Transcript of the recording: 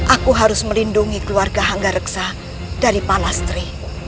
aku harus melindungi keluarga hangga reksa dari pak lastri